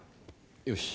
よし。